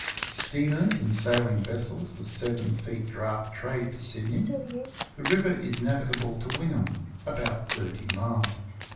Steamers and sailing vessels of 7 feet draft trade to Sydney. The river is navigable to AViugham, about 30 miles.